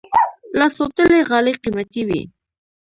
لاس اوبدلي غالۍ قیمتي وي.